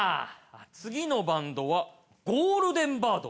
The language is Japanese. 次のバンドはゴールデンバード？